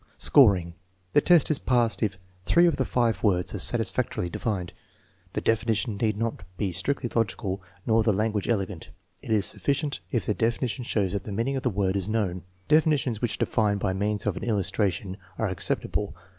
Scoring. The test is passed if three of the five words are satisfactorily defined. The definition need not be strictly logical nor the language elegant. It is sufficient if the defi nition shows that the meaning of the word is known. Defi nitions which define by means of an illustration are ac ceptable.